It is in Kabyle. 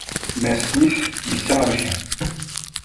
Mass Smith telsa aberkan.